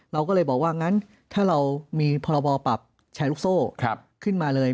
เราก็เลยบอกว่างั้นถ้าเรามีพรบปรับแชร์ลูกโซ่ขึ้นมาเลย